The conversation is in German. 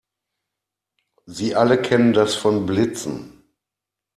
Sie alle kennen das von Blitzen.